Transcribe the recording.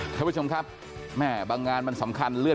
ท่านผู้ชมครับแม่บางงานมันสำคัญเลื่อน